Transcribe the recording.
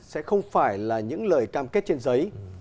sẽ không phải là những lời cam kết trên giấy